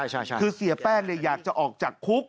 ใช่คือเสียแป้งเนี่ยอยากจะออกจากคุก